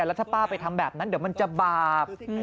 แล้วถ้าป้าไปทำแบบนั้นเดี๋ยวมันจะบาป